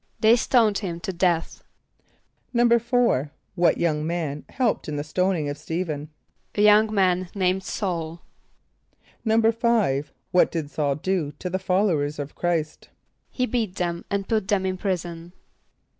=They stoned him to death.= =4.= What young man helped in the stoning of St[=e]´phen? =A young man named S[a:]ul.= =5.= What did S[a:]ul do to the followers of Chr[=i]st? =He beat them and put them in prison.